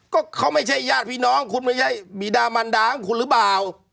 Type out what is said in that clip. ก็เขาไม่ใช่ญาติพี่น้องคุณไม่ใช่บีดามันดาของคุณหรือเปล่า